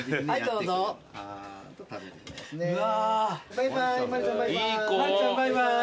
バイバイまるちゃんバイバイ。